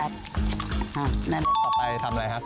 ต่อไปทำอะไรครับ